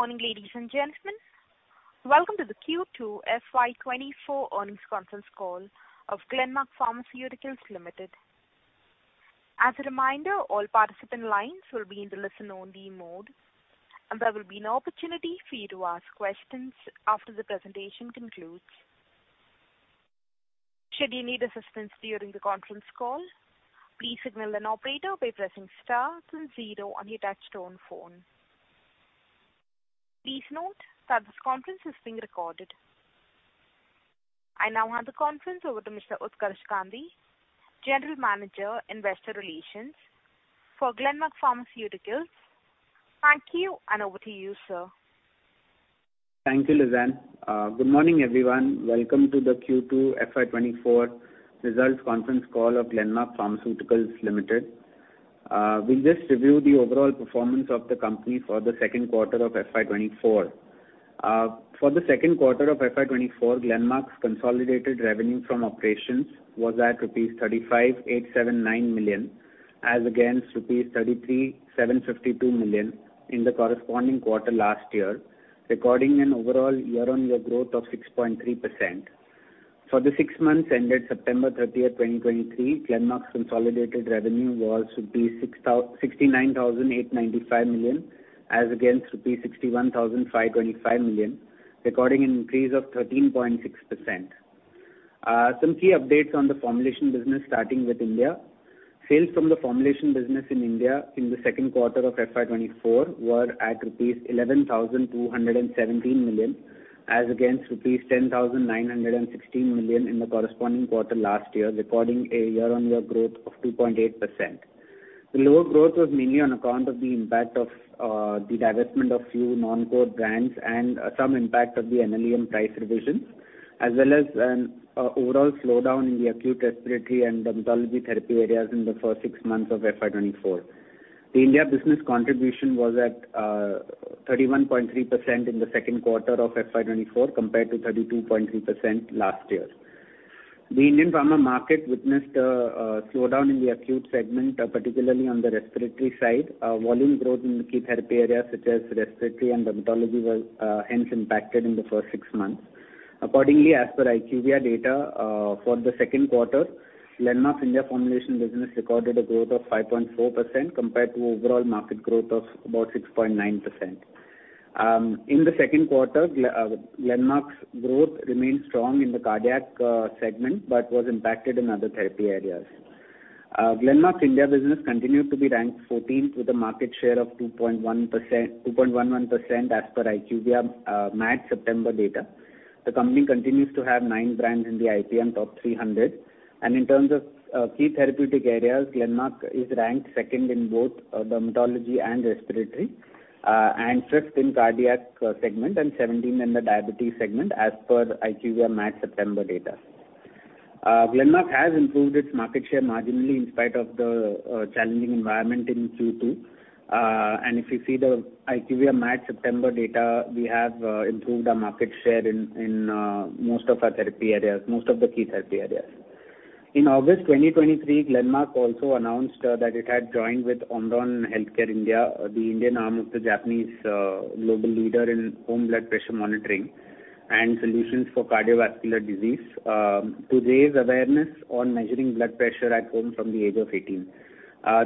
Good morning, ladies and gentlemen. Welcome to the Q2 FY 2024 earnings conference call of Glenmark Pharmaceuticals Limited. As a reminder, all participant lines will be in the listen-only mode, and there will be an opportunity for you to ask questions after the presentation concludes. Should you need assistance during the conference call, please signal an operator by pressing star then zero on your touchtone phone. Please note that this conference is being recorded. I now hand the conference over to Mr. Utkarsh Gandhi, General Manager, Investor Relations for Glenmark Pharmaceuticals. Thank you, and over to you, sir. Thank you, Lizanne. Good morning, everyone. Welcome to the Q2 FY 2024 results conference call of Glenmark Pharmaceuticals Limited. We'll just review the overall performance of the company for the second quarter of FY 2024. For the second quarter of FY 2024, Glenmark's consolidated revenue from operations was at rupees 3,587.9 million, as against rupees 3,375.2 million in the corresponding quarter last year, recording an overall year-on-year growth of 6.3%. For the six months ended September 30th, 2023, Glenmark's consolidated revenue was INR 69,895 million, as against INR 61,525 million, recording an increase of 13.6%. Some key updates on the formulation business starting with India. Sales from the formulation business in India in the second quarter of FY 2024 were at rupees 11,217 million, as against rupees 10,916 million in the corresponding quarter last year, recording a year-on-year growth of 2.8%. The lower growth was mainly on account of the impact of the divestment of few non-core brands and some impact of the NLEM price revisions, as well as an overall slowdown in the acute respiratory and dermatology therapy areas in the first six months of FY 2024. The India business contribution was at 31.3% in the second quarter of FY 2024, compared to 32.3% last year. The Indian pharma market witnessed a slowdown in the acute segment, particularly on the respiratory side. Volume growth in the key therapy areas, such as respiratory and dermatology, was hence impacted in the first six months. Accordingly, as per IQVIA data, for the second quarter, Glenmark India formulation business recorded a growth of 5.4%, compared to overall market growth of about 6.9%. In the second quarter, Glenmark's growth remained strong in the cardiac segment, but was impacted in other therapy areas. Glenmark's India business continued to be ranked fourteenth, with a market share of 2.1%, 2.11%, as per IQVIA MAT September data. The company continues to have nine brands in the IPM top 300, and in terms of key therapeutic areas, Glenmark is ranked 2nd in both dermatology and respiratory, and 5th in cardiac segment and 17th in the diabetes segment as per IQVIA MAT September data. Glenmark has improved its market share marginally in spite of the challenging environment in Q2. If you see the IQVIA MAT September data, we have improved our market share in most of our therapy areas, most of the key therapy areas. In August 2023, Glenmark also announced that it had joined with OMRON Healthcare India, the Indian arm of the Japanese global leader in home blood pressure monitoring and solutions for cardiovascular disease, to raise awareness on measuring blood pressure at home from the age of 18.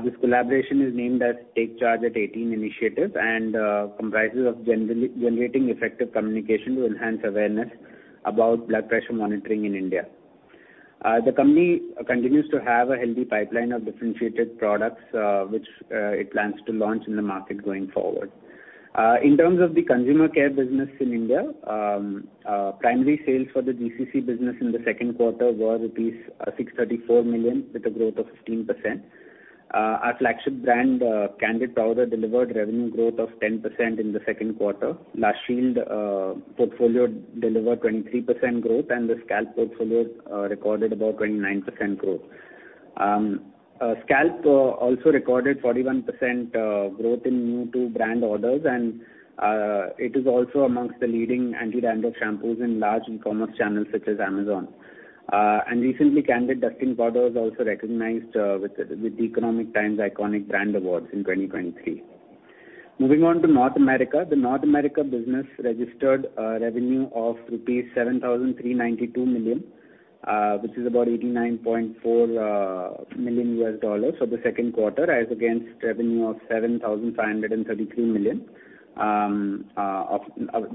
This collaboration is named as Take Charge at Eighteen initiative and comprises of generating effective communication to enhance awareness about blood pressure monitoring in India. The company continues to have a healthy pipeline of differentiated products, which it plans to launch in the market going forward. In terms of the consumer care business in India, primary sales for the DCC business in the second quarter were rupees 634 million, with a growth of 15%. Our flagship brand, Candid Powder, delivered revenue growth of 10% in the second quarter. La Shield portfolio delivered 23% growth, and the Scalpe+ portfolio recorded about 29% growth. Scalpe+ also recorded 41% growth in new-to-brand orders, and it is also amongst the leading anti-dandruff shampoos in large e-commerce channels such as Amazon. And recently, Candid Dusting Powder was also recognized with the The Economic Times Iconic Brand Awards in 2023. Moving on to North America. The North America business registered a revenue of rupees 7,392 million, which is about $89.4 million US dollars for the second quarter, as against revenue of 7,533 million,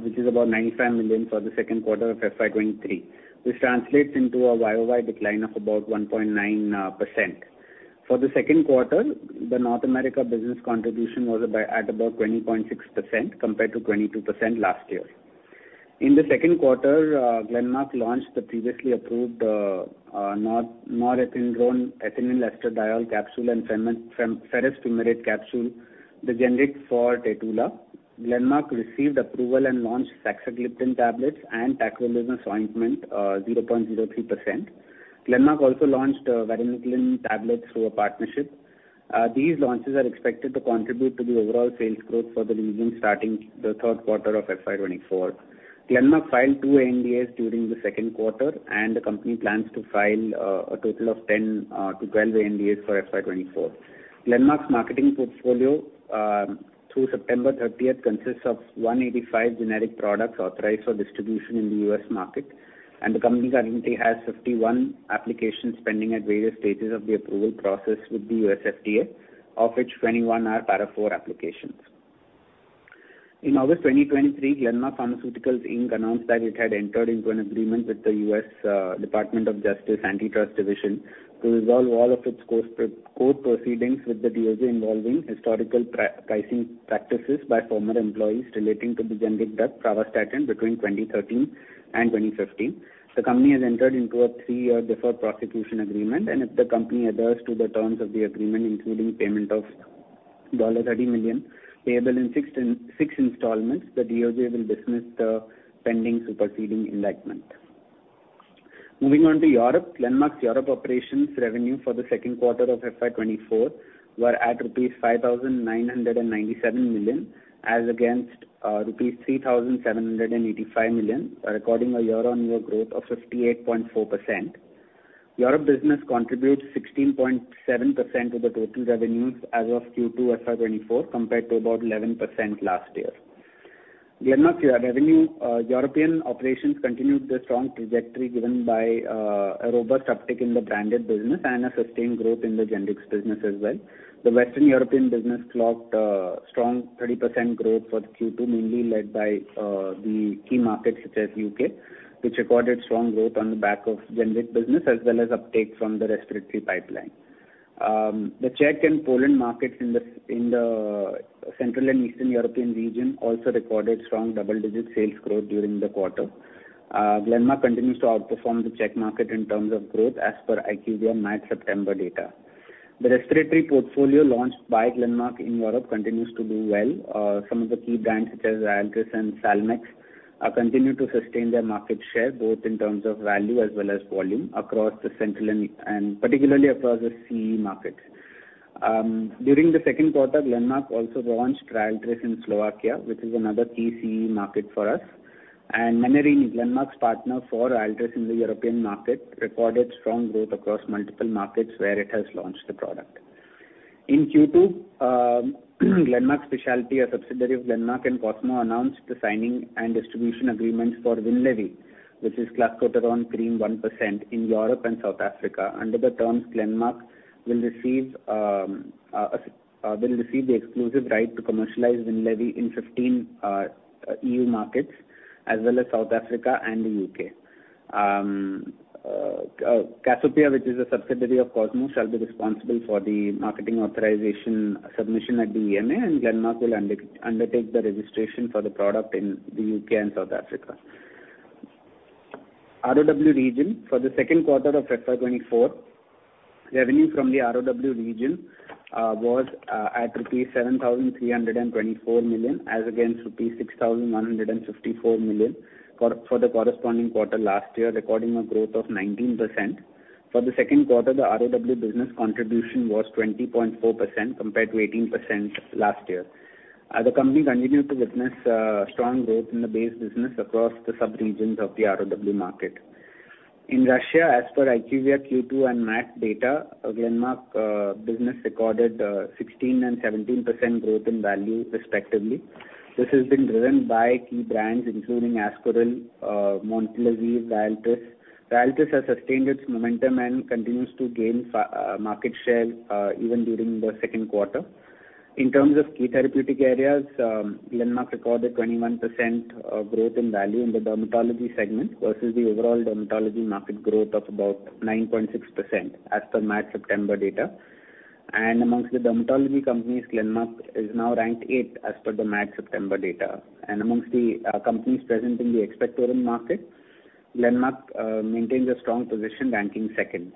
which is about $95 million for the second quarter of FY 2023. This translates into a YOY decline of about 1.9%. For the second quarter, the North America business contribution was at about 20.6%, compared to 22% last year. In the second quarter, Glenmark launched the previously approved, norethindrone ethinyl estradiol capsule and ferrous fumarate capsule, the generic for Taytulla. Glenmark received approval and launched saxagliptin tablets and tacrolimus ointment, 0.03%. Glenmark also launched varenicline tablets through a partnership. These launches are expected to contribute to the overall sales growth for the region, starting the third quarter of FY 2024. Glenmark filed 2 NDAs during the second quarter, and the company plans to file a total of 10-12 NDAs for FY 2024. Glenmark's marketing portfolio through September 30th consists of 185 generic products authorized for distribution in the U.S. market, and the company currently has 51 applications pending at various stages of the approval process with the U.S. FDA, of which 21 are Para IV applications. In August 2023, Glenmark Pharmaceuticals Inc. announced that it had entered into an agreement with the US Department of Justice Antitrust Division, to resolve all of its court proceedings with the DOJ, involving historical pricing practices by former employees relating to the generic drug, pravastatin, between 2013 and 2015. The company has entered into a three-year deferred prosecution agreement, and if the company adheres to the terms of the agreement, including payment of $30 million, payable in 6 installments, the DOJ will dismiss the pending superseding indictment. Moving on to Europe. Glenmark's Europe operations revenue for the second quarter of FY 2024 were at rupees 5,997 million, as against, rupees 3,785 million, recording a year-on-year growth of 58.4%. Europe business contributes 16.7% of the total revenues as of Q2 FY 2024, compared to about 11% last year. Glenmark revenue, European operations continued their strong trajectory, driven by, a robust uptick in the branded business and a sustained growth in the generics business as well. The Western European business clocked, strong 30% growth for Q2, mainly led by, the key markets such as U.K., which recorded strong growth on the back of generic business, as well as uptake from the respiratory pipeline. The Czech and Poland markets in the Central and Eastern European region also recorded strong double-digit sales growth during the quarter. Glenmark continues to outperform the Czech market in terms of growth as per IQVIA MAT September data. The respiratory portfolio launched by Glenmark in Europe continues to do well. Some of the key brands, such as Ryaltris and Salmex, continue to sustain their market share, both in terms of value as well as volume, across the Central and particularly across the CEE markets. During the second quarter, Glenmark also launched Ryaltris in Slovakia, which is another key CEE market for us. Menarini, Glenmark's partner for Ryaltris in the European market, recorded strong growth across multiple markets where it has launched the product. In Q2, Glenmark Specialty, a subsidiary of Glenmark and Cosmo, announced the signing and distribution agreements for Winlevi, which is clascoterone cream 1% in Europe and South Africa. Under the terms, Glenmark will receive the exclusive right to commercialize Winlevi in 15 EU markets, as well as South Africa and the U.K. Cassiopea, which is a subsidiary of Cosmo, shall be responsible for the marketing authorization submission at the EMA, and Glenmark will undertake the registration for the product in the U.K. and South Africa. ROW region. For the second quarter of FY 2024, revenue from the ROW region was at rupees 7,324 million, as against rupees 6,154 million for the corresponding quarter last year, recording a growth of 19%. For the second quarter, the ROW business contribution was 20.4%, compared to 18% last year. The company continued to witness strong growth in the base business across the sub-regions of the ROW market. In Russia, as per IQVIA Q2 and MAT data, Glenmark business recorded 16% and 17% growth in value respectively. This has been driven by key brands, including Ascoril, Momate, Ryaltris. Ryaltris has sustained its momentum and continues to gain market share even during the second quarter. In terms of key therapeutic areas, Glenmark recorded 21% growth in value in the dermatology segment versus the overall dermatology market growth of about 9.6%, as per MAT September data. Amongst the dermatology companies, Glenmark is now ranked eighth as per the MAT September data. Amongst the companies present in the expectorant market, Glenmark maintains a strong position, ranking second.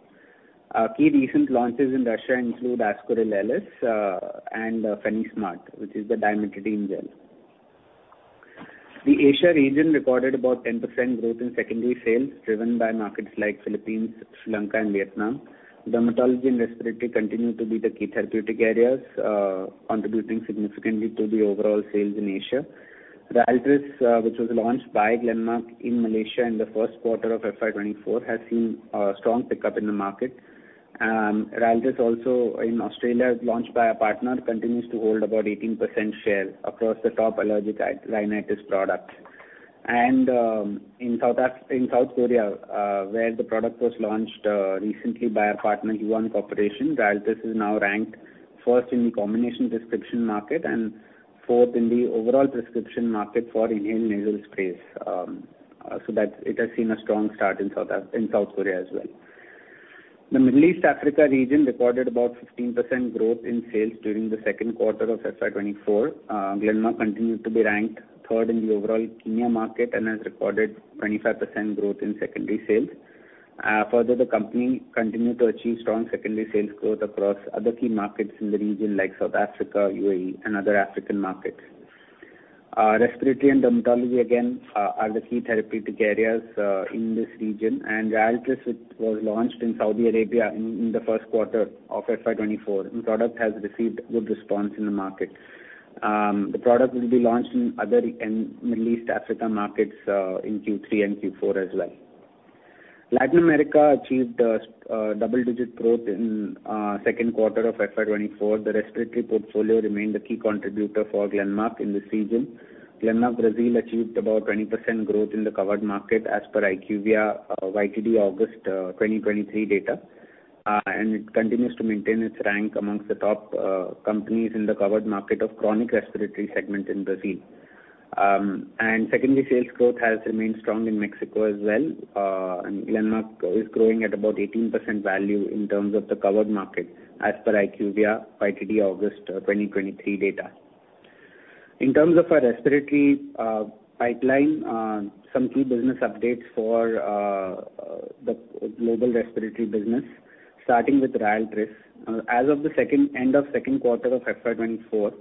Key recent launches in Russia include Ascoril LS and Fenistat, which is the dimetindene gel. The Asia region recorded about 10% growth in secondary sales, driven by markets like Philippines, Sri Lanka and Vietnam. Dermatology and respiratory continue to be the key therapeutic areas, contributing significantly to the overall sales in Asia. Ryaltris, which was launched by Glenmark in Malaysia in the first quarter of FY 2024, has seen a strong pickup in the market. Ryaltris, also in Australia, is launched by a partner, continues to hold about 18% share across the top allergic rhinitis products. And in South Korea, where the product was launched recently by our partner, Yuhan Corporation, Ryaltris is now ranked first in the combination prescription market, and fourth in the overall prescription market for nasal sprays. So it has seen a strong start in South Korea as well. The Middle East and Africa region recorded about 15% growth in sales during the second quarter of FY 2024. Glenmark continues to be ranked third in the overall Kenya market and has recorded 25% growth in secondary sales. Further, the company continued to achieve strong secondary sales growth across other key markets in the region, like South Africa, UAE, and other African markets. Respiratory and dermatology again are the key therapeutic areas in this region. And the Ryaltris, which was launched in Saudi Arabia in the first quarter of FY 2024, the product has received good response in the market. The product will be launched in other in Middle East Africa markets in Q3 and Q4 as well. Latin America achieved double-digit growth in second quarter of FY 2024. The respiratory portfolio remained the key contributor for Glenmark in this region. Glenmark Brazil achieved about 20% growth in the covered market, as per IQVIA, YTD August, 2023 data, and it continues to maintain its rank amongst the top companies in the covered market of chronic respiratory segment in Brazil. And secondly, sales growth has remained strong in Mexico as well, and Glenmark is growing at about 18% value in terms of the covered market, as per IQVIA, YTD August, 2023 data. In terms of our respiratory pipeline, some key business updates for the global respiratory business, starting with Ryaltris. As of the end of second quarter of FY 2024,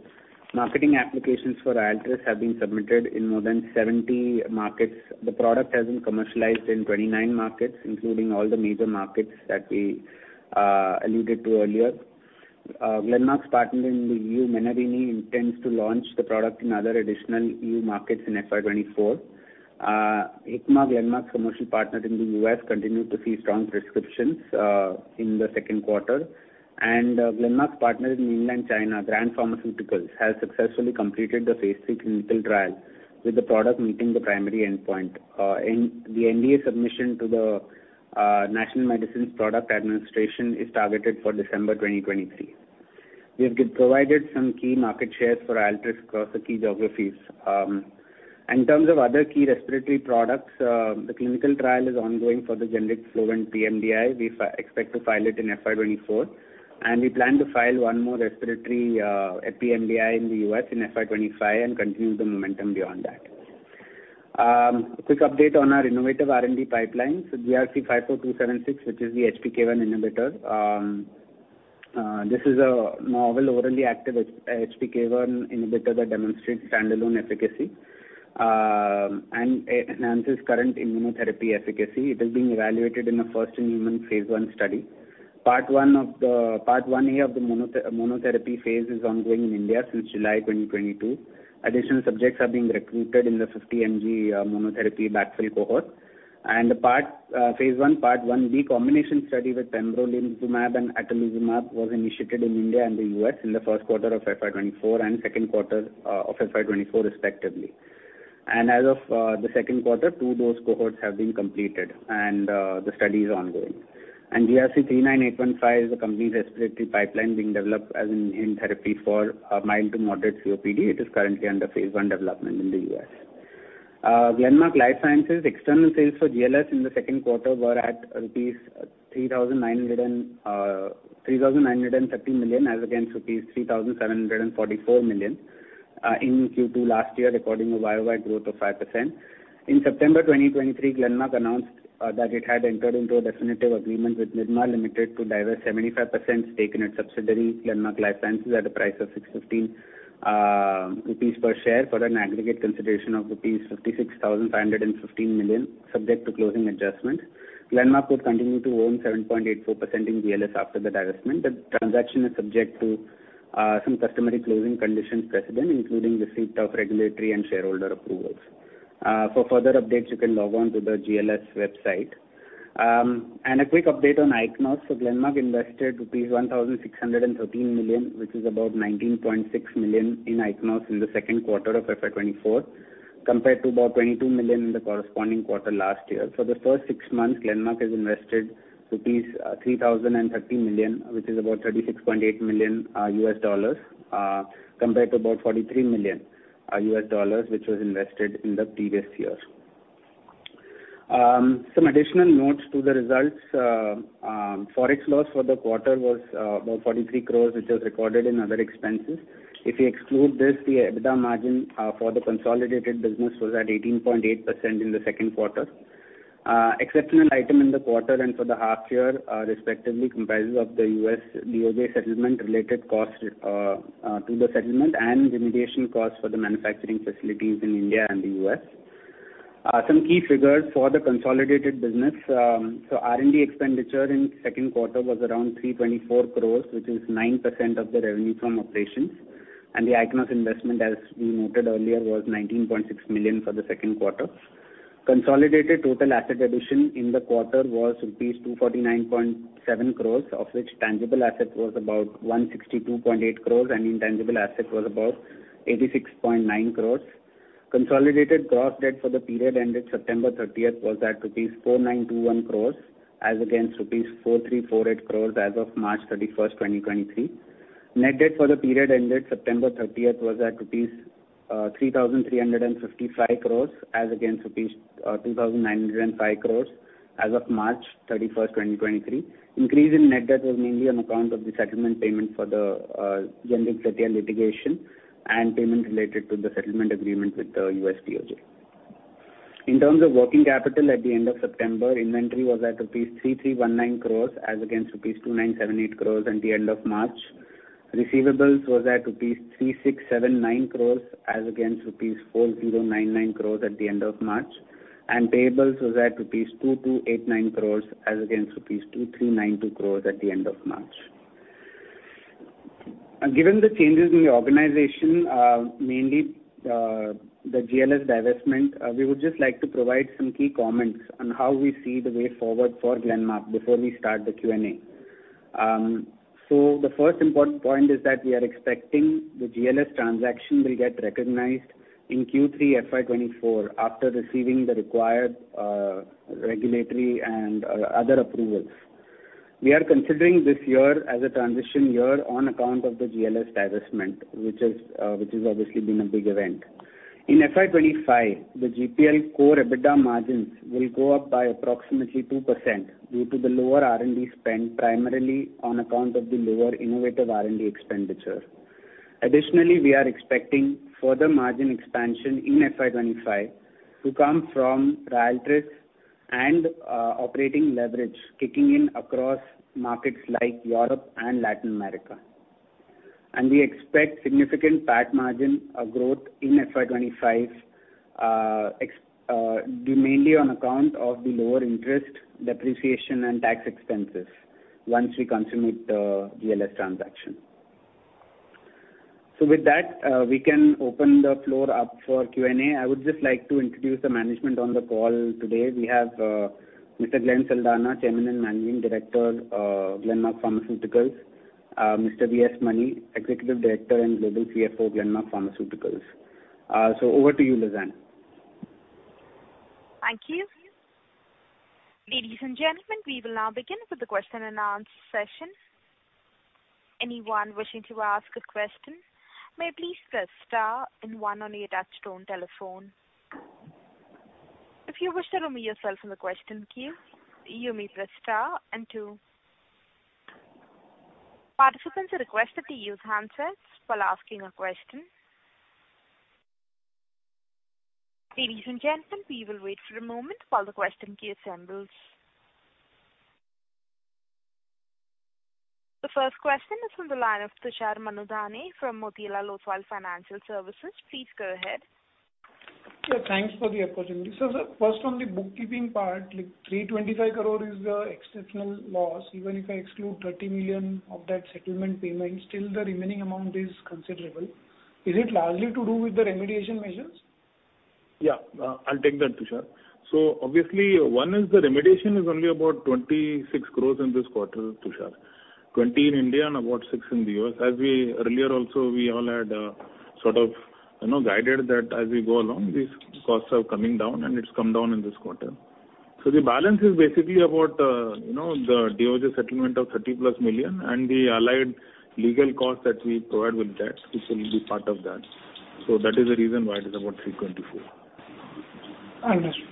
marketing applications for Ryaltris have been submitted in more than 70 markets. The product has been commercialized in 29 markets, including all the major markets that we alluded to earlier. Glenmark's partner in the E.U., Menarini, intends to launch the product in other additional E.U. markets in FY 2024. Hikma, Glenmark's commercial partner in the U.S., continued to see strong prescriptions in the second quarter. And Glenmark's partner in mainland China, Grand Pharmaceuticals, has successfully completed the phase III clinical trial, with the product meeting the primary endpoint. The NDA submission to the National Medical Products Administration is targeted for December 2023. We have provided some key market shares for Ryaltris across the key geographies. In terms of other key respiratory products, the clinical trial is ongoing for the generic Flovent pMDI. We expect to file it in FY 2024, and we plan to file one more respiratory pMDI in the U.S. in FY 2025 and continue the momentum beyond that. Quick update on our innovative R&D pipeline. So GRC 54276, which is the HPK1 inhibitor, this is a novel orally active HPK1 inhibitor that demonstrates standalone efficacy, and it enhances current immunotherapy efficacy. It is being evaluated in a first-in-human phase I study. Part 1A of the monotherapy phase is ongoing in India since July 2022. Additional subjects are being recruited in the 50 mg monotherapy backfill cohort. And the phase I, part 1B combination study with pembrolizumab and atezolizumab was initiated in India and the U.S. in the first quarter of FY 2024 and second quarter of FY 2024 respectively. And as of the second quarter, two dose cohorts have been completed, and the study is ongoing. And GRC 39815 is the company's respiratory pipeline being developed as an add-on therapy for mild to moderate COPD. It is currently under phase I development in the U.S. Glenmark Life Sciences, external sales for GLS in the second quarter were at rupees 3,900 million and $3,930 million, as against rupees 3,744 million in Q2 last year, recording a YOY growth of 5%. In September 2023, Glenmark announced that it had entered into a definitive agreement with Nirma Limited to divest 75% stake in its subsidiary, Glenmark Life Sciences, at a price of 615 rupees per share for an aggregate consideration of rupees 56,515 million, subject to closing adjustment. Glenmark would continue to own 7.84% in GLS after the divestment. The transaction is subject to some customary closing conditions precedent, including receipt of regulatory and shareholder approvals. For further updates, you can log on to the GLS website. A quick update on Ichnos. Glenmark invested rupees 1,613 million, which is about $19.6 million in Ichnos in the second quarter of FY 2024, compared to about $22 million in the corresponding quarter last year. For the first six months, Glenmark has invested rupees 3,030 million, which is about $36.8 million US dollars, compared to about $43 million US dollars, which was invested in the previous year. Some additional notes to the results. Forex loss for the quarter was about 43 crore, which was recorded in other expenses. If you exclude this, the EBITDA margin for the consolidated business was at 18.8% in the second quarter. Exceptional item in the quarter and for the half year, respectively, comprises of the US DOJ settlement related cost to the settlement and remediation costs for the manufacturing facilities in India and the US. Some key figures for the consolidated business. So R&D expenditure in second quarter was around 324 crores, which is 9% of the revenue from operations, and the Ichnos investment, as we noted earlier, was $19.6 million for the second quarter. Consolidated total asset addition in the quarter was rupees 249.7 crores, of which tangible assets was about 162.8 crores and intangible assets was about 86.9 crores. Consolidated gross debt for the period ended September 30th was at rupees 4,921 crores as against INR 4,348 crores as of March 31st, 2023. Net debt for the period ended September 30th was at rupees 3,355 crores as against rupees 2,905 crores as of March 31st, 2023. Increase in net debt was mainly on account of the settlement payment for the generic litigation and payment related to the settlement agreement with the U.S. DOJ. In terms of working capital at the end of September, inventory was at rupees 3,319 crores as against rupees 2,978 crores at the end of March. Receivables was at rupees 3,679 crores, as against rupees 4,099 crores at the end of March, and payables was at rupees 2,289 crores as against rupees 2,392 crores at the end of March. Given the changes in the organization, mainly, the GLS divestment, we would just like to provide some key comments on how we see the way forward for Glenmark before we start the Q&A. So the first important point is that we are expecting the GLS transaction will get recognized in Q3 FY 2024, after receiving the required regulatory and other approvals. We are considering this year as a transition year on account of the GLS divestment, which has obviously been a big event. In FY 2025, the GPL core EBITDA margins will go up by approximately 2% due to the lower R&D spend, primarily on account of the lower innovative R&D expenditure. Additionally, we are expecting further margin expansion in FY 2025 to come from Ryaltris and operating leverage kicking in across markets like Europe and Latin America. We expect significant PAT margin growth in FY 25 mainly on account of the lower interest, depreciation, and tax expenses once we consummate the GLS transaction. With that, we can open the floor up for Q&A. I would just like to introduce the management on the call today. We have Mr. Glenn Saldanha, Chairman and Managing Director, Glenmark Pharmaceuticals, Mr. V.S. Mani, Executive Director and Global CFO, Glenmark Pharmaceuticals. So over to you, Lizanne. Thank you. Ladies and gentlemen, we will now begin with the question-and-answer session. Anyone wishing to ask a question, may please press star and one on your touchtone telephone. If you wish to remove yourself from the question queue, you may press star and two. Participants are requested to use handsets while asking a question. Ladies and gentlemen, we will wait for a moment while the question queue assembles. The first question is from the line of Tushar Manudhane from Motilal Oswal Financial Services. Please go ahead. Sir, thanks for the opportunity. So, sir, first on the bookkeeping part, like, 325 crore is the exceptional loss. Even if I exclude 30 million of that settlement payment, still the remaining amount is considerable. Is it largely to do with the remediation measures? Yeah, I'll take that, Tushar. So obviously, one is the remediation is only about 26 crore in this quarter, Tushar. 20 crore in India and about 6 crore in the US. As we earlier also, we all had, sort of, you know, guided that as we go along, these costs are coming down, and it's come down in this quarter. So the balance is basically about, you know, the DOJ settlement of $30+ million and the allied legal costs that we provide with that, which will be part of that. So that is the reason why it is about 324 crore. Understood.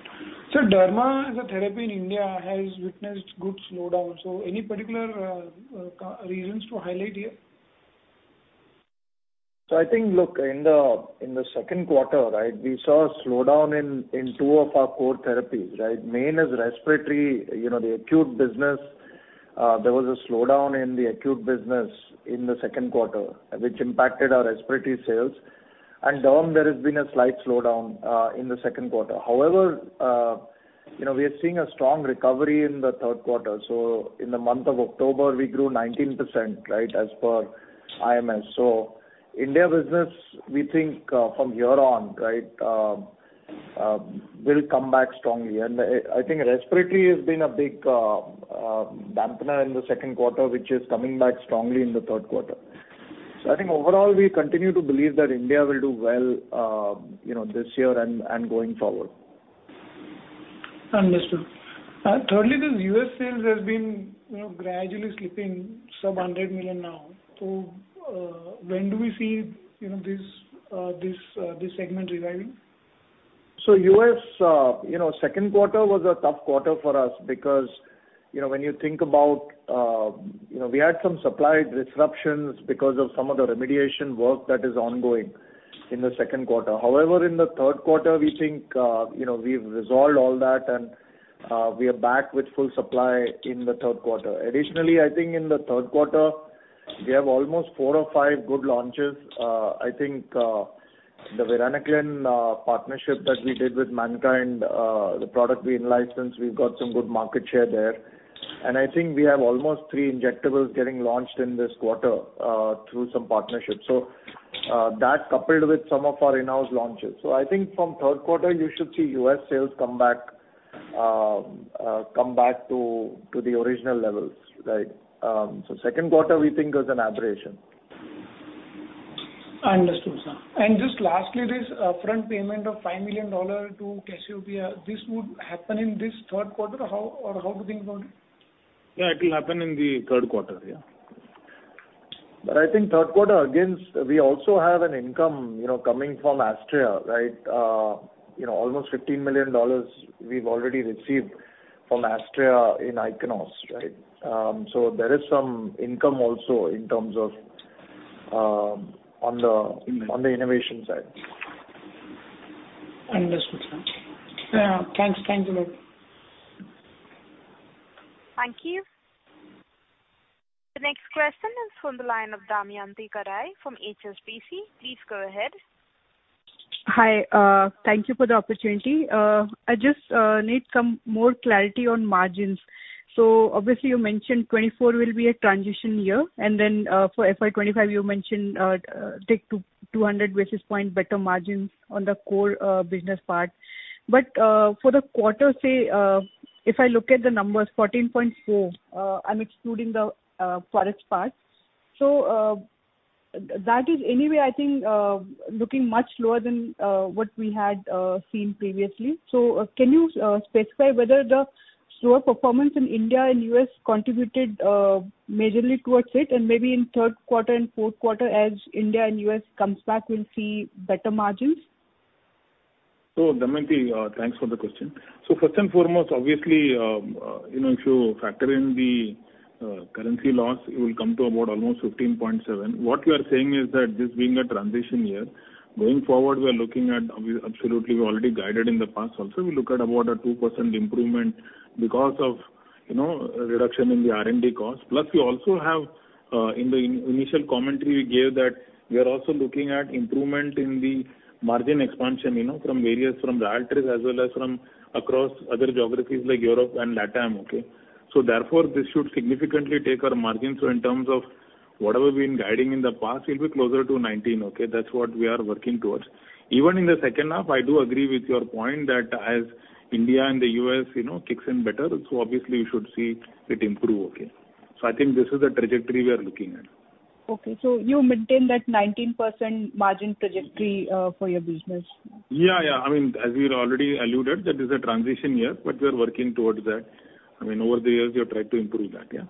Sir, derma as a therapy in India has witnessed good slowdown. So any particular reasons to highlight here? So I think, look, in the second quarter, right, we saw a slowdown in two of our core therapies, right? Main is respiratory, you know, the acute business. There was a slowdown in the acute business in the second quarter, which impacted our respiratory sales. And derm, there has been a slight slowdown in the second quarter. However, you know, we are seeing a strong recovery in the third quarter. So in the month of October, we grew 19%, right, as per IMS. So India business, we think, from here on, right, will come back strongly. And, I think respiratory has been a big dampener in the second quarter, which is coming back strongly in the third quarter. I think overall, we continue to believe that India will do well, you know, this year and going forward. Understood. Thirdly, the U.S. sales has been, you know, gradually slipping sub-$100 million now. So, when do we see, you know, this segment reviving? So U.S., you know, second quarter was a tough quarter for us because, you know, when you think about, we had some supply disruptions because of some of the remediation work that is ongoing in the second quarter. However, in the third quarter, we think, you know, we've resolved all that and, we are back with full supply in the third quarter. Additionally, I think in the third quarter, we have almost four or five good launches. I think, the Varenicline, partnership that we did with Mankind, the product we in-licensed, we've got some good market share there. And I think we have almost three injectables getting launched in this quarter, through some partnerships. So, that coupled with some of our in-house launches. So I think from third quarter, you should see U.S. sales come back to the original levels, right? So second quarter, we think, is an aberration. Understood, sir. And just lastly, this upfront payment of $5 million to Cassiopea, this would happen in this third quarter? How... or how do you think about it? Yeah, it will happen in the third quarter, yeah. But I think third quarter, again, we also have an income, you know, coming from Astria, right? You know, almost $15 million we've already received from Astria in Ichnos, right? So there is some income also in terms of. On the innovation side. Understood, sir. Thanks, thanks a lot. Thank you. The next question is from the line of Damayanti Kerai from HSBC. Please go ahead. Hi, thank you for the opportunity. I just need some more clarity on margins. Obviously, you mentioned 2024 will be a transition year, and then, for FY 2025, you mentioned, take 200 basis points better margins on the core business part. But, for the quarter, say, if I look at the numbers, 14.4%, I'm excluding the Forex part. That is anyway, I think, looking much lower than what we had seen previously. Can you specify whether the lower performance in India and U.S. contributed majorly towards it, and maybe in third quarter and fourth quarter as India and U.S. comes back, we'll see better margins? So Damayanti, thanks for the question. So first and foremost, obviously, you know, if you factor in the currency loss, you will come to about almost 15.7. What we are saying is that this being a transition year, going forward, we are looking at obviously, absolutely, we already guided in the past also. We look at about a 2% improvement because of, you know, reduction in the R&D costs. Plus, we also have in the initial commentary we gave that we are also looking at improvement in the margin expansion, you know, from various, from the Ryaltris as well as from across other geographies like Europe and Latam, okay? So therefore, this should significantly take our margins. So in terms of what we've been guiding in the past, we'll be closer to 19, okay? That's what we are working towards. Even in the second half, I do agree with your point that as India and the US, you know, kicks in better, so obviously you should see it improve, okay. So I think this is the trajectory we are looking at. Okay, so you maintain that 19% margin trajectory for your business? Yeah, yeah. I mean, as we already alluded, that is a transition year, but we are working towards that. I mean, over the years, we have tried to improve that. Yeah.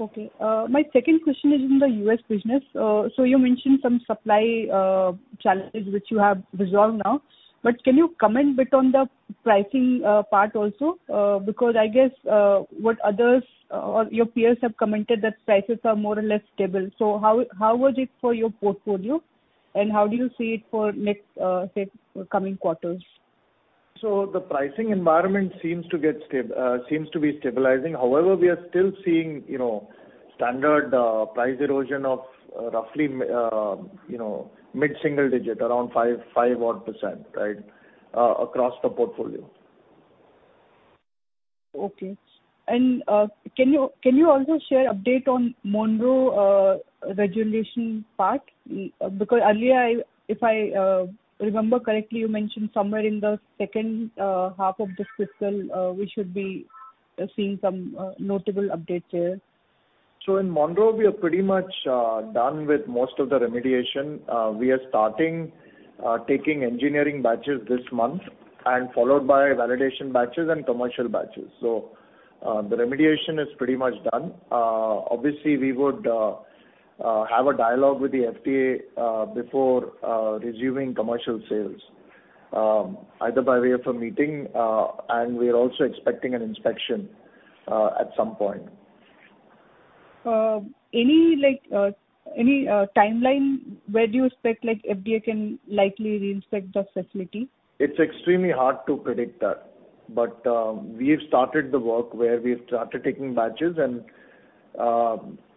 Okay, my second question is in the U.S. business. So you mentioned some supply challenges which you have resolved now, but can you comment bit on the pricing part also? Because I guess what others or your peers have commented that prices are more or less stable. So how, how was it for your portfolio, and how do you see it for next, say, coming quarters? The pricing environment seems to be stabilizing. However, we are still seeing, you know, standard price erosion of, roughly, you know, mid-single digit, around 5%, 5% odd, right, across the portfolio. Okay. And, can you also share update on Monroe regulatory part? Because earlier, if I remember correctly, you mentioned somewhere in the second half of this fiscal, we should be seeing some notable updates there. In Monroe, we are pretty much done with most of the remediation. We are starting taking engineering batches this month followed by validation batches and commercial batches. The remediation is pretty much done. Obviously, we would have a dialogue with the FDA before resuming commercial sales, either by way of a meeting, and we are also expecting an inspection at some point. Any like, timeline where do you expect, like, FDA can likely reinspect the facility? It's extremely hard to predict that, but, we've started the work where we've started taking batches and,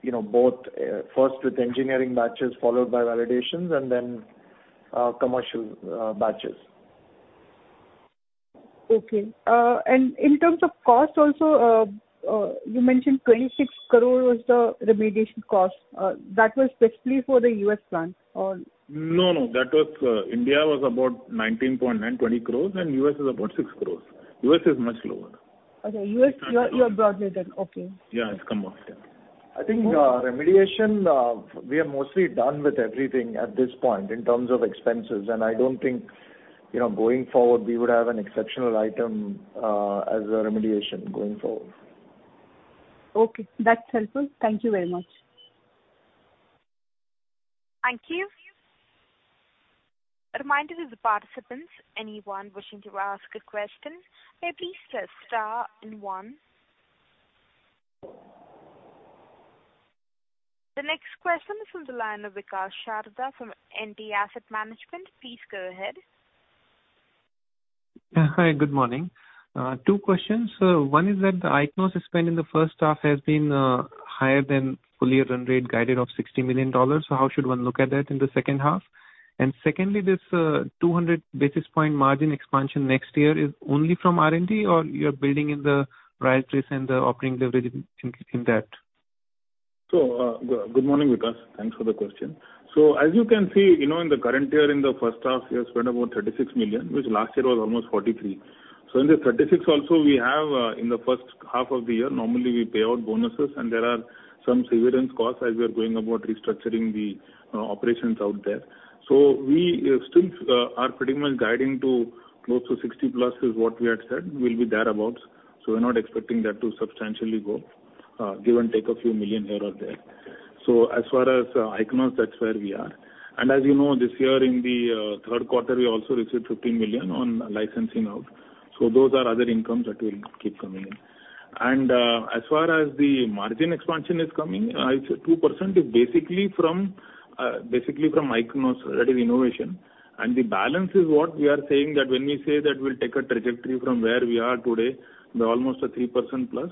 you know, both, first with engineering batches, followed by validations and then, commercial, batches. Okay. And in terms of cost also, you mentioned 26 crore was the remediation cost. That was specifically for the US plant or? No, no, that was, India was about 19.9 crores- 20 crores, and U.S. is about 6 crores. U.S. is much lower. Okay. U.S., you have broadly said, okay. Yeah, it's come off, yeah. I think, remediation, we are mostly done with everything at this point in terms of expenses, and I don't think, you know, going forward, we would have an exceptional item, as a remediation going forward. Okay, that's helpful. Thank you very much. Thank you. A reminder to the participants, anyone wishing to ask a question, please press star and one. The next question is from the line of Vikas Sharda from NTAsset Management. Please go ahead. Hi, good morning. Two questions. One is that the Ichnos spend in the first half has been higher than full year run rate guided of $60 million. So how should one look at that in the second half? And secondly, this 200 basis points margin expansion next year is only from R&D, or you're building in the price increase and the operating leverage in that? So, good morning, Vikas. Thanks for the question. So as you can see, you know, in the current year, in the first half, we have spent about $36 million, which last year was almost $43 million. So in the 36 also, we have, in the first half of the year, normally we pay out bonuses, and there are some severance costs as we are going about restructuring the, operations out there. So we still are pretty much guiding to close to 60+ is what we had said, will be thereabout. So we're not expecting that to substantially go, give and take a few million here or there. So as far as, Ichnos, that's where we are. And as you know, this year in the, third quarter, we also received $15 million on licensing out. So those are other incomes that will keep coming in. And, as far as the margin expansion is coming, it's 2% is basically from, basically from Ichnos, that is innovation. And the balance is what we are saying, that when we say that we'll take a trajectory from where we are today, we're almost a 3%+,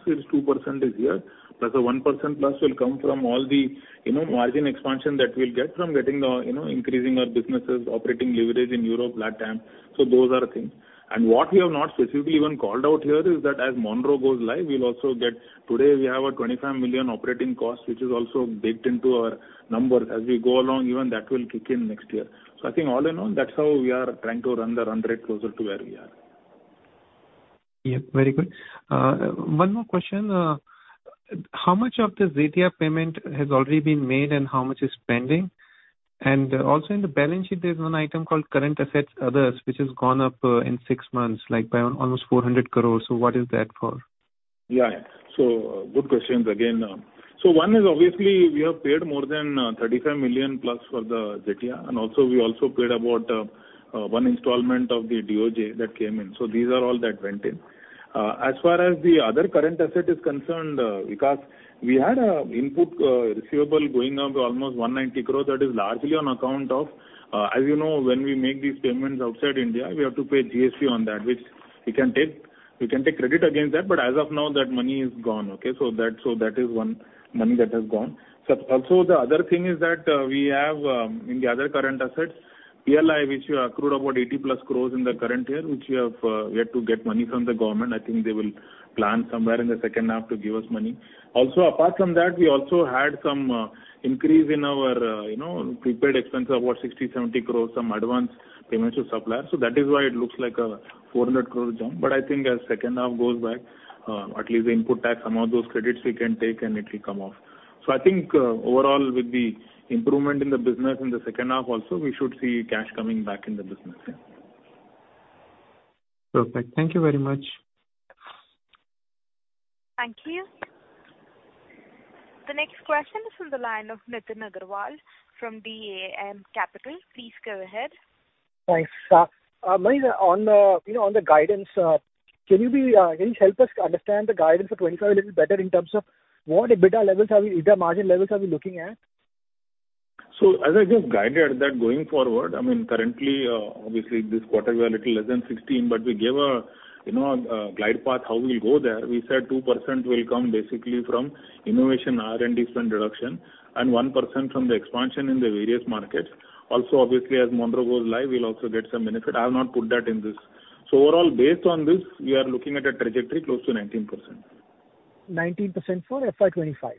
it's 2% is here, plus a 1%+ will come from all the, you know, margin expansion that we'll get from getting the, you know, increasing our businesses, operating leverage in Europe, LatAm. So those are the things. And what we have not specifically even called out here is that as Monroe goes live, we'll also get. Today, we have a $25 million operating costs, which is also baked into our numbers. As we go along, even that will kick in next year. I think all in all, that's how we are trying to run the run rate closer to where we are. Yeah, very good. One more question. How much of the Zetia payment has already been made, and how much is pending? And also, in the balance sheet, there's one item called current assets, others, which has gone up, in six months, like, by almost 400 crore. So what is that for? Yeah. So good questions again. So one is obviously, we have paid more than $35 million plus for the Zetia, and also we also paid about one installment of the DOJ that came in. So these are all that went in. As far as the other current asset is concerned, because we had an input receivable going up to almost 190 crore. That is largely on account of, as you know, when we make these payments outside India, we have to pay GST on that, which we can take, we can take credit against that, but as of now, that money is gone, okay? So that, so that is one money that has gone. So also, the other thing is that we have in the other current assets, PLI, which we accrued about 80+ crore in the current year, which we have, we have to get money from the government. I think they will plan somewhere in the second half to give us money. Also, apart from that, we also had some increase in our, you know, prepaid expense of about 60-70 crore, some advance payments to suppliers. So that is why it looks like a 400 crore jump. But I think as second half goes by, at least the input tax, some of those credits we can take and it will come off. So I think overall, with the improvement in the business in the second half also, we should see cash coming back in the business, yeah. Perfect. Thank you very much. Thank you. The next question is from the line of Nitin Agarwal from DAM Capital. Please go ahead. Thanks. Manish, on the, you know, on the guidance, can you be, can you help us understand the guidance for 25 a little better in terms of what EBITDA levels are we, EBITDA margin levels are we looking at? So as I just guided that going forward, I mean, currently, obviously this quarter we are little less than 16, but we gave a, you know, glide path, how we'll go there. We said 2% will come basically from innovation, R&D spend reduction, and 1% from the expansion in the various markets. Also, obviously, as Monroe goes live, we'll also get some benefit. I have not put that in this. So overall, based on this, we are looking at a trajectory close to 19%. 19% for FY 2025?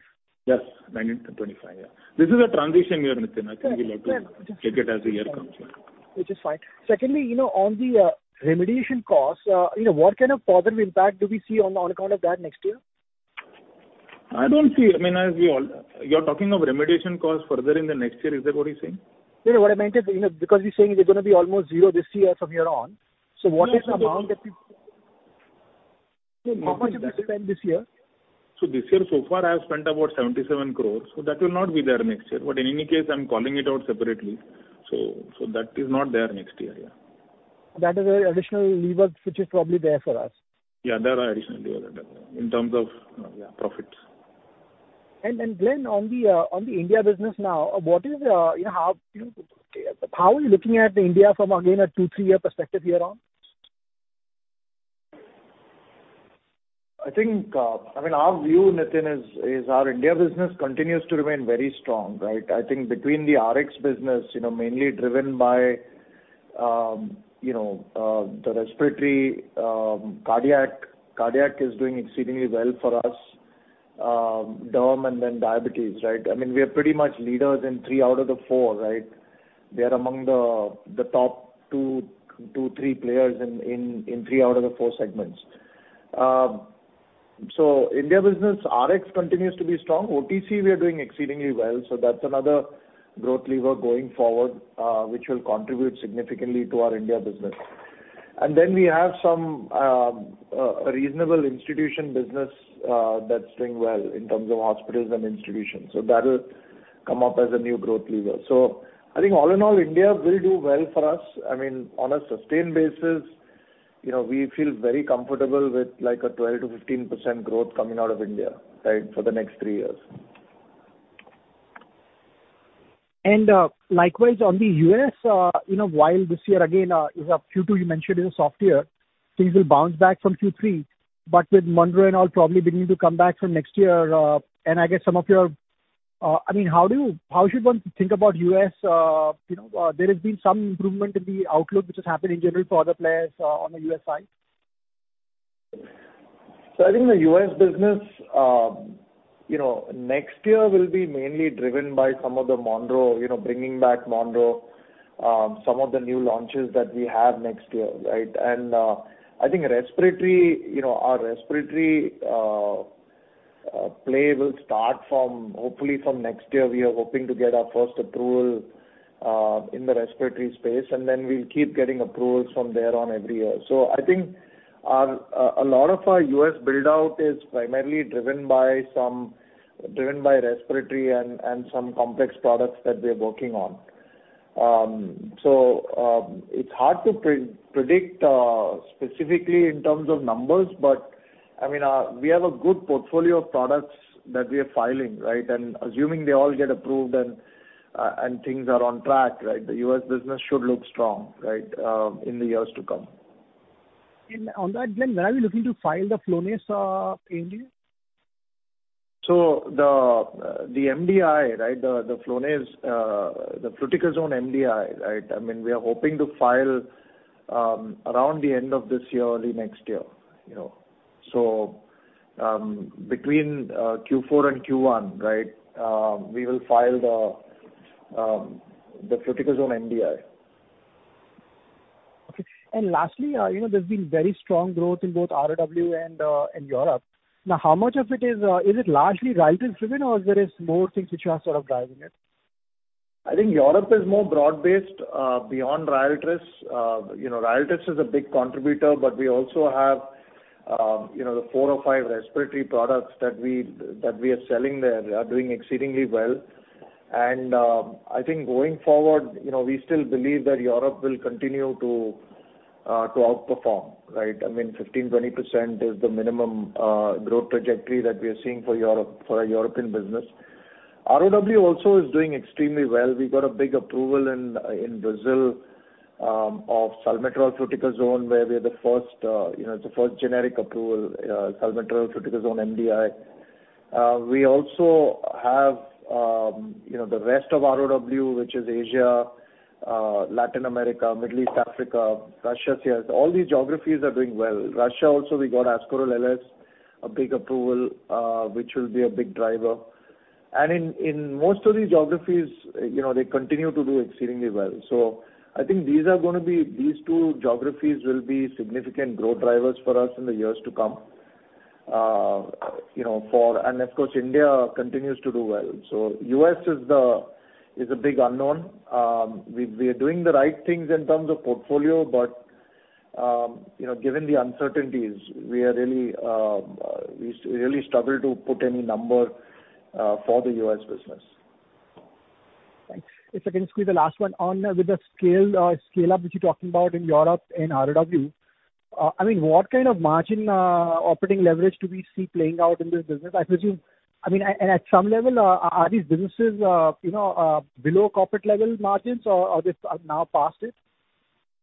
Yes, 19 for 25, yeah. This is a transition year, Nitin. Right. I think we'll have to check it as the year comes, yeah. Which is fine. Secondly, you know, on the remediation costs, you know, what kind of positive impact do we see on account of that next year? I don't see, I mean, as we all—you're talking of remediation costs further in the next year. Is that what you're saying? Yeah, what I meant is, you know, because you're saying they're gonna be almost zero this year from here on, so what is the amount that you- How much have you spent this year? So this year, so far, I have spent about 77 crore, so that will not be there next year. But in any case, I'm calling it out separately. So, so that is not there next year, yeah. That is an additional lever which is probably there for us. Yeah, there are additional levers that are there, in terms of, yeah, profits. Glen, on the India business now, what is, you know, how, how are you looking at India from, again, a two to three-year perspective here on? I think, I mean, our view, Nitin, is, is our India business continues to remain very strong, right? I think between the Rx business, you know, mainly driven by, you know, the respiratory, cardiac. Cardiac is doing exceedingly well for us, derm and then diabetes, right? I mean, we are pretty much leaders in three out of the four, right? We are among the, the top two, two, three players in, in, in three out of the four segments. So India business, Rx continues to be strong. OTC, we are doing exceedingly well, so that's another growth lever going forward, which will contribute significantly to our India business. And then we have some, reasonable institution business, that's doing well in terms of hospitals and institutions, so that'll come up as a new growth lever. I think all in all, India will do well for us. I mean, on a sustained basis, you know, we feel very comfortable with like a 12%-15% growth coming out of India, right, for the next three years. Likewise, on the U.S., you know, while this year again is Q2, you mentioned is a soft year, things will bounce back from Q3, but with Monroe and all probably beginning to come back from next year, and I guess some of your, I mean, how do you- how should one think about U.S.? You know, there has been some improvement in the outlook, which has happened in general for other players, on the U.S. side. So I think the US business, you know, next year will be mainly driven by some of the Monroe, you know, bringing back Monroe, some of the new launches that we have next year, right? And, I think respiratory, you know, our respiratory play will start from, hopefully from next year. We are hoping to get our first approval in the respiratory space, and then we'll keep getting approvals from there on every year. So I think, a lot of our US build-out is primarily driven by, driven by respiratory and some complex products that we're working on. So, it's hard to predict, specifically in terms of numbers, but I mean, we have a good portfolio of products that we are filing, right? And assuming they all get approved and things are on track, right, in the years to come. And on that, then, when are we looking to file the Flonase in here? So the MDI, right, the Flonase, the fluticasone MDI, right? I mean, we are hoping to file around the end of this year, early next year, you know. So, between Q4 and Q1, right, we will file the fluticasone MDI. Okay. And lastly, you know, there's been very strong growth in both ROW and in Europe. Now, how much of it is, is it largely Ryaltris driven, or there is more things which are sort of driving it? I think Europe is more broad-based beyond Ryaltris. You know, Ryaltris is a big contributor, but we also have the four or five respiratory products that we are selling there are doing exceedingly well. I think going forward, you know, we still believe that Europe will continue to outperform, right? I mean, 15%-20% is the minimum growth trajectory that we are seeing for Europe, for our European business. ROW also is doing extremely well. We got a big approval in Brazil of salmeterol fluticasone, where we are the first, you know, it's the first generic approval salmeterol fluticasone MDI. We also have the rest of ROW, which is Asia, Latin America, Middle East, Africa, Russia, CIS. All these geographies are doing well. Russia also, we got Ascoril LS, a big approval, which will be a big driver. And in most of these geographies, you know, they continue to do exceedingly well. So I think these are gonna be—these two geographies will be significant growth drivers for us in the years to come. You know, and of course, India continues to do well. So U.S. is a big unknown. We are doing the right things in terms of portfolio, but you know, given the uncertainties, we really struggle to put any number for the U.S. business. Thanks. If I can squeeze the last one. On with the scale, scale-up, which you're talking about in Europe and ROW, I mean, what kind of margin, operating leverage do we see playing out in this business? I presume, I mean, and at some level, are, are these businesses, you know, below corporate level margins, or, or they are now past it?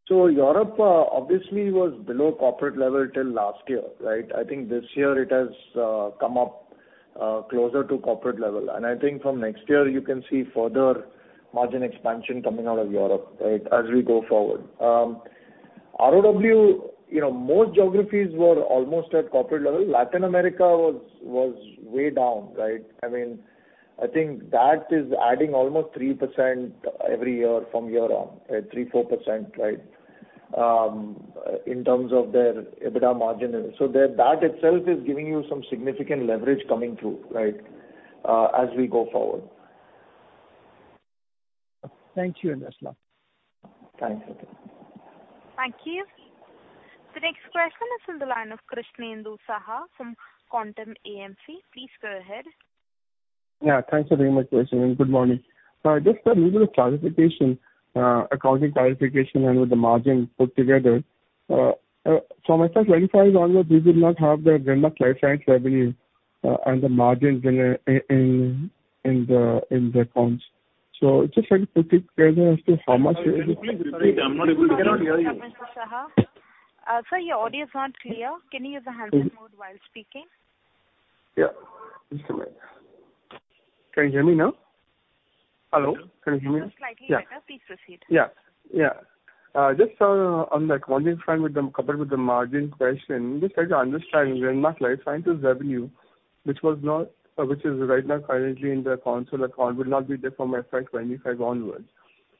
So Europe, obviously was below corporate level till last year, right? I think this year it has, come up, closer to corporate level. And I think from next year, you can see further margin expansion coming out of Europe, right, as we go forward. ROW, you know, most geographies were almost at corporate level. Latin America was, way down, right? I mean, I think that is adding almost 3% every year from here on, right, 3%-4%, right, in terms of their EBITDA margin. So that, that itself is giving you some significant leverage coming through, right, as we go forward. Thank you, Saldanha. Thanks. Thank you. The next question is on the line of Krishnendu Saha from Quantum AMC. Please go ahead. Yeah, thanks very much, Krishnendu, and good morning. Just a little clarification, accounting clarification and with the margin put together, from my side, 25 onward, we did not have the Glenmark Life Sciences revenue, and the margins in the accounts. So just trying to put it together as to how much. Can you please repeat? I'm not able to hear you. We cannot hear you, Mr. Saha. Sir, your audio is not clear. Can you use the handset mode while speaking? Yeah. Just a minute. Can you hear me now? Hello, can you hear me? Slightly better. Yeah. Please proceed. Yeah. Yeah. Just, on the accounting front with the, coupled with the margin question, just trying to understand Glenmark Life Sciences revenue, which was not, which is right now currently in the consolidated accounts, will not be there from FY 2025 onwards.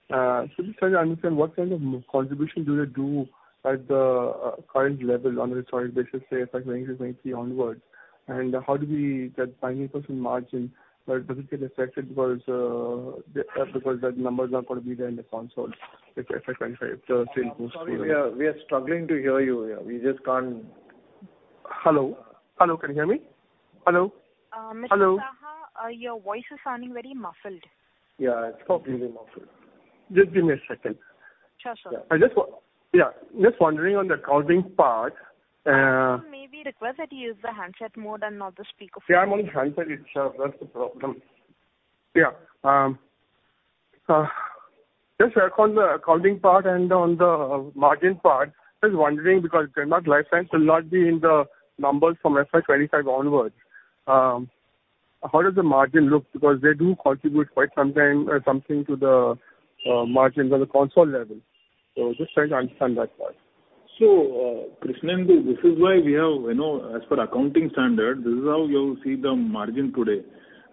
So just trying to understand, what kind of contribution do they do at the, current level on a sorry, basis, say, FY 2023 onwards? And how do we... That 19% margin, does it get affected because, the, because that number is not going to be there in the consolidated accounts, if FY 2025, it still goes through? Sorry, we are struggling to hear you. Yeah, we just can't. Hello? Hello, can you hear me? Hello? Hello. Mr. Saha, your voice is sounding very muffled. Yeah, it's completely muffled. Just give me a second. Sure, sir. I just want... Yeah, just wondering on the accounting part. Can maybe request that you use the handset mode and not the speakerphone. Yeah, I'm on handset. It's, that's the problem. Yeah, just on the accounting part and on the margin part, just wondering, because Glenmark Life Sciences will not be in the numbers from FY 2025 onwards. How does the margin look? Because they do contribute quite something, something to the margins at the consolidated level. So just trying to understand that part. So, Krishnendu, this is why we have, you know, as per accounting standard, this is how you'll see the margin today.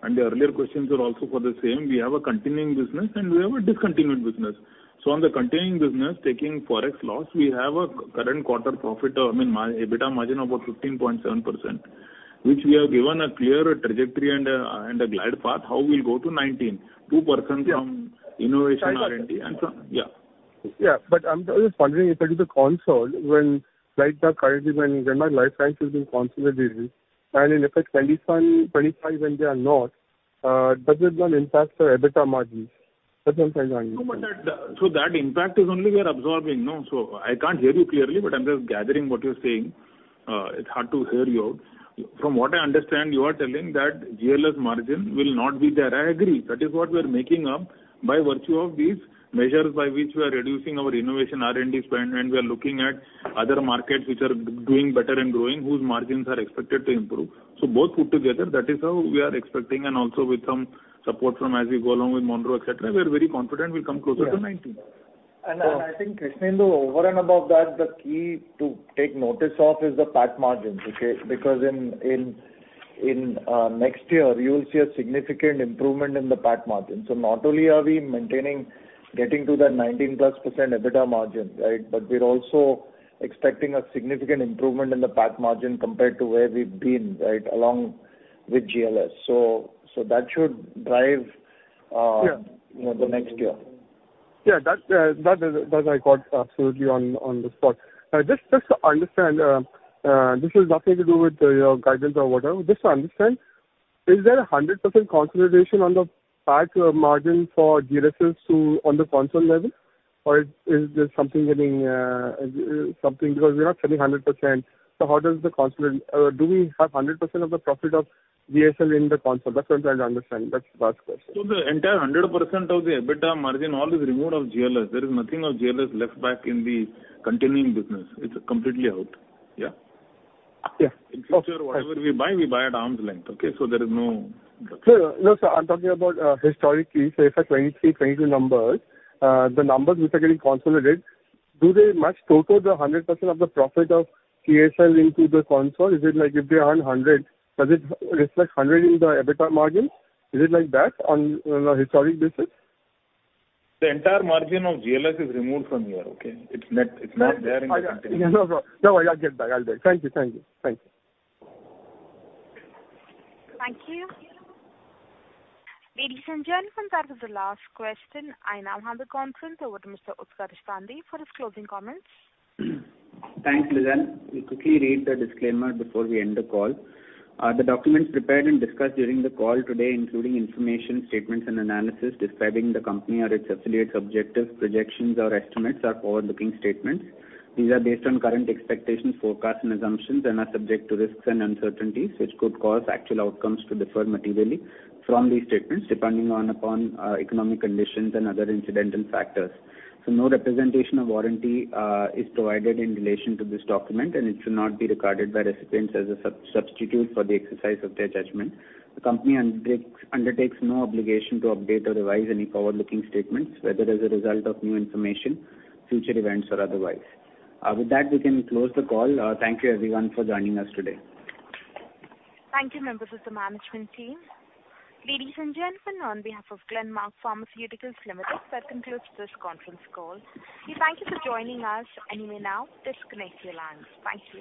And the earlier questions are also for the same. We have a continuing business, and we have a discontinued business. So on the continuing business, taking Forex loss, we have a current quarter profit of, I mean, EBITDA margin of about 15.7%, which we have given a clear trajectory and a, and a glide path, how we'll go to 19.2% from innovation R&D and from... Yeah. Yeah, but I'm just wondering if it is consolidated, while it's currently consolidated, when GLS is being deconsolidated, and in effect, 25, 25, when they are not, does it not impact the EBITDA margins? Does that make any. No, but that, so that impact is only we are absorbing, no? So I can't hear you clearly, but I'm just gathering what you're saying. It's hard to hear you out. From what I understand, you are telling that GLS margin will not be there. I agree. That is what we are making up by virtue of these measures by which we are reducing our innovation, R&D spend, and we are looking at other markets which are doing better and growing, whose margins are expected to improve. So both put together, that is how we are expecting and also with some support from as we go along with Monroe, et cetera, we're very confident we'll come closer to 19. And I think, Krishnendu, over and above that, the key to take notice of is the PAT margins, okay? Because in next year, you will see a significant improvement in the PAT margin. So not only are we maintaining getting to the 19%+ EBITDA margin, right, but we're also expecting a significant improvement in the PAT margin compared to where we've been, right, along with GLS. So that should drive. Yeah. You know, the next year. Yeah, that's, that is, that I got absolutely on, on the spot. Just, just to understand, this has nothing to do with your guidance or whatever. Just to understand, is there 100% consolidation on the PAT margin for GLS to, on the console level? Or is there something getting, something because we're not saying 100%, so how does the console... Do we have 100% of the profit of GLS in the console? That's what I'm trying to understand. That's the last question. So the entire 100% of the EBITDA margin, all is removed of GLS. There is nothing of GLS left back in the continuing business. It's completely out. Yeah? Yeah. In future, whatever we buy, we buy at arm's length, okay? So there is no- No, no, so I'm talking about historically, so if 23, 22 numbers, the numbers which are getting consolidated, do they match total the 100% of the profit of GSL into the consolidated? Is it like if they earn 100, does it reflect 100 in the EBITDA margin? Is it like that on a historic basis? The entire margin of GLS is removed from here, okay? It's not, it's not there in the. No, no. No, I get that. I'll get. Thank you. Thank you. Thank you. Thank you. Ladies and gentlemen, that is the last question. I now hand the conference over to Mr. Utkarsh Gandhi for his closing comments. Thanks, Lizanne. We'll quickly read the disclaimer before we end the call. The documents prepared and discussed during the call today, including information, statements, and analysis describing the company or its affiliates, objectives, projections or estimates, are forward-looking statements. These are based on current expectations, forecasts and assumptions and are subject to risks and uncertainties, which could cause actual outcomes to differ materially from these statements, depending upon economic conditions and other incidental factors. No representation or warranty is provided in relation to this document, and it should not be regarded by recipients as a substitute for the exercise of their judgment. The company undertakes no obligation to update or revise any forward-looking statements, whether as a result of new information, future events, or otherwise. With that, we can close the call. Thank you everyone for joining us today. Thank you, members of the management team. Ladies and gentlemen, on behalf of Glenmark Pharmaceuticals Limited, that concludes this conference call. We thank you for joining us. You may now disconnect your lines. Thank you.